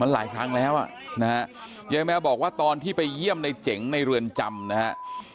หลายครั้งแล้วอ่ะนะฮะยายแมวบอกว่าตอนที่ไปเยี่ยมในเจ๋งในเรือนจำนะฮะ